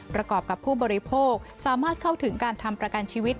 ประกอบกับผู้บริโภคสามารถเข้าถึงการทำประกันชีวิต